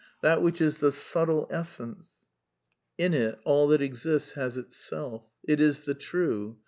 That which is the subtle essence, in it all that exists has its self. It is the True.